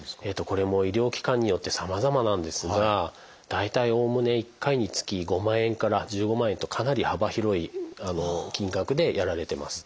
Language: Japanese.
これも医療機関によってさまざまなんですが大体おおむね１回につき５万円から１５万円とかなり幅広い金額でやられてます。